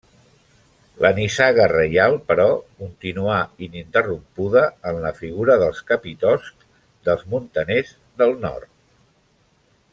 La nissaga reial, però, continuà ininterrompuda en la figura dels capitosts dels muntaners del nord.